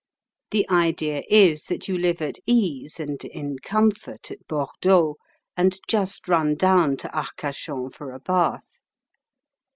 The idea is that you live at ease and in comfort at Bordeaux, and just run down to Arcachon for a bath.